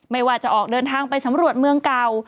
ไม่ว่าจะออกเดินทางไปสำรวจเมืองเก่า